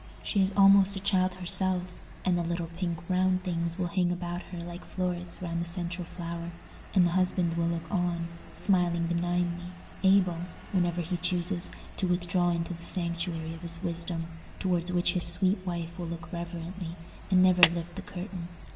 She is almost a child herself, and the little pink round things will hang about her like florets round the central flower; and the husband will look on, smiling benignly, able, whenever he chooses, to withdraw into the sanctuary of his wisdom, towards which his sweet wife will look reverently, and never lift the curtain.